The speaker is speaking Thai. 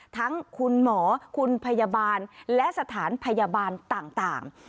ทั้งคุณหมอคุณพยาบาลและสถานพยาบาลต่าง